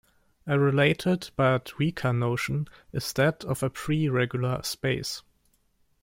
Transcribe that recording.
A related, but weaker, notion is that of a preregular space.